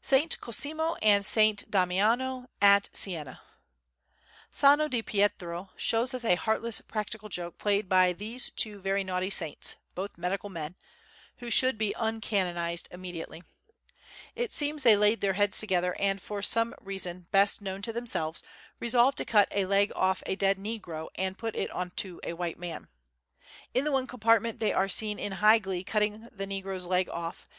Saint Cosimo and Saint Damiano at Siena Sano di Pietro shows us a heartless practical joke played by these two very naughty saints, both medical men, who should be uncanonised immediately. It seems they laid their heads together and for some reason, best known to themselves, resolved to cut a leg off a dead negro and put it on to a white man. In the one compartment they are seen in high glee cutting the negro's leg off.